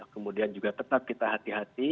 kemudian juga tetap kita hati hati